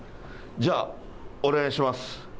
じゃあ、お願いします。